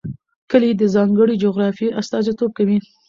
کلي د ځانګړې جغرافیې استازیتوب کوي.